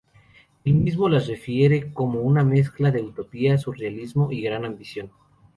Él mismo las refiere como una mezcla "de utopía, surrealismo y gran ambición".